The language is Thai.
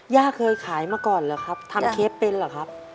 เคยขายมาก่อนเหรอครับทำเค้กเป็นเหรอครับ